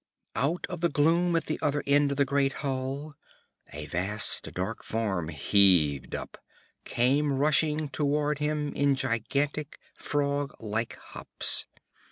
Out of the gloom at the other end of the great hall a vast dark form heaved up came rushing toward him in gigantic frog like hops.